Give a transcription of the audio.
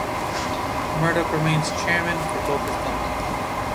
Murdoch remains chairman for both companies.